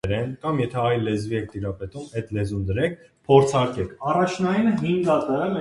Զույգը ունի երեք դուստր։